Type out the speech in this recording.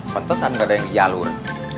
pantesan ada yang di jalur